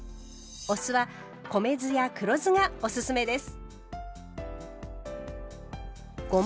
お酢は米酢や黒酢がおすすめです。